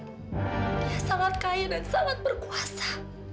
dia sangat kaya dan sangat berkuasa